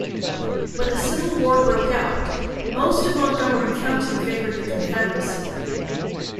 When the Civil War broke out, most of Montgomery County favored the Confederacy.